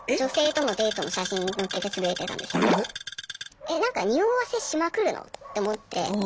「えなんか匂わせしまくるの？」って思って。